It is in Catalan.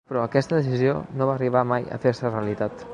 Però aquesta decisió no va arribar mai a fer-se realitat.